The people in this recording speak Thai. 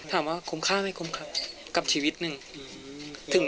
ถามว่าคุ้มค่าไม่คุ้มค่ากับชีวิตหนึ่ง